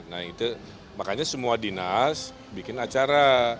nah itu makanya semua dinas bikin acara